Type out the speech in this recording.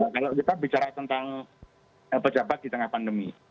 kalau kita bicara tentang pejabat di tengah pandemi